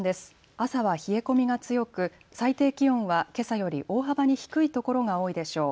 朝は冷え込みが強く最低気温はけさより大幅に低いところが多いでしょう。